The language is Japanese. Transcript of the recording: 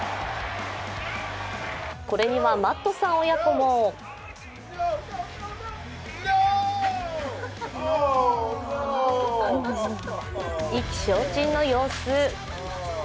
これにはマットさん親子も意気消沈の様子。